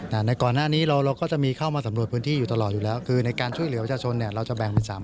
การช่วยเหลือวัชชนการ่วมของพุทธการระวังดูแลตั้งแต่จะแบ่งเป็น๓ขั้น